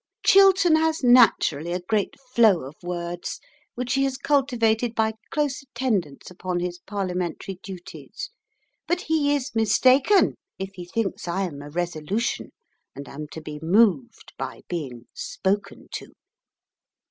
Chiltern has naturally a great flow of words, which he has cultivated by close attendance upon his Parliamentary duties. But he is mistaken if he thinks I am a Resolution and am to be moved by being "spoken to."